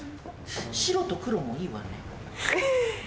白と黒もいいわねぇ。